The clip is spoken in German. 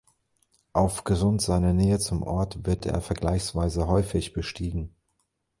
Aufgrund seiner Nähe zum Ort wird er vergleichsweise häufig bestiegen.